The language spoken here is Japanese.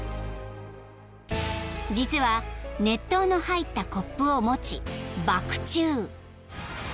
［実は熱湯の入ったコップを持ちバク宙］